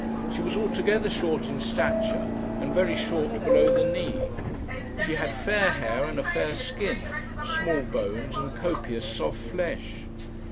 She was altogether short in stature, and very short below the knee. She had fair hair and a fair skin, small bones and copious soft flesh.